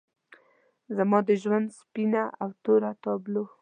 زما د ژوند سپینه او توره تابلو